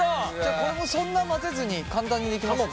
これもそんな混ぜずに簡単にできますか？